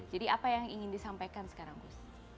jadi apa yang ingin disampaikan sekarang gus